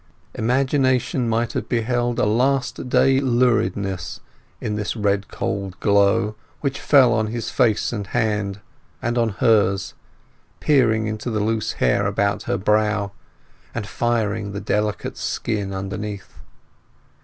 Imagination might have beheld a Last Day luridness in this red coaled glow, which fell on his face and hand, and on hers, peering into the loose hair about her brow, and firing the delicate skin underneath.